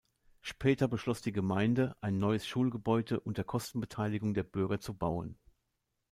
Später beschloss die Gemeinde, ein neues Schulgebäude unter Kostenbeteiligung der Bürger zu bauen.